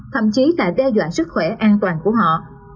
thậm chí là đe dọa sức khỏe an toàn của họ